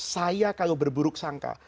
saya kalau berburuk sangka